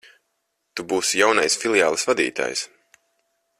Tu būsi jaunais filiāles vadītājs.